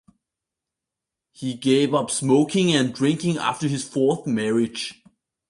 He gave up smoking and drinking after his fourth marriage.